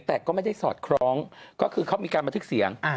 แต่ก็ไม่ได้สอดคล้องก็คือเขามีการบันทึกเสียง